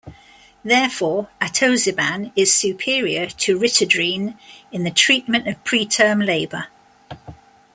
Therefore, atosiban is superior to ritodrine in the treatment of preterm labour.